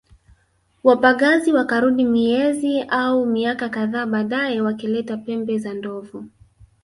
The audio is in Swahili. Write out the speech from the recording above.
Wapagazi wakarudi miezi au miaka kadhaa baadae wakileta pembe za ndovu